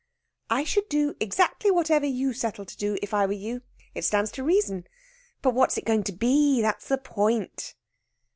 "I should do exactly whatever you settle to do if I were you. It stands to reason. But what's it going to be? That's the point."